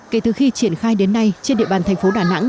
kể từ khi triển khai đến nay trên địa bàn thành phố đà nẵng